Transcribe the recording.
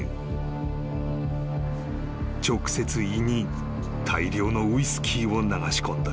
［直接胃に大量のウイスキーを流し込んだ］